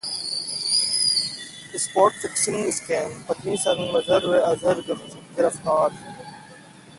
spot fixing scam पत्नी संग मजहर व अजहर गिरफ्तार